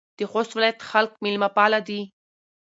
د خوست ولایت خلک میلمه پاله دي.